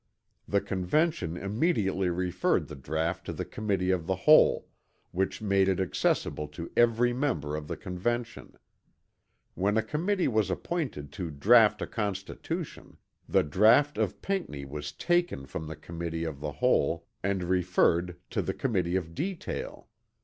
The Convention immediately referred the draught to the Committee of the Whole, which made it accessible to every member of the Convention. When a committee was appointed to draught a Constitution, the draught of Pinckney was taken from the Committee of the Whole and referred to the Committee of Detail.